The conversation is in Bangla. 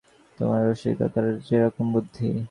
তোমার রসিকদাদার যেরকম বুদ্ধি!